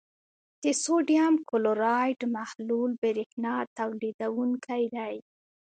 د سوډیم کلورایډ محلول برېښنا تیروونکی دی.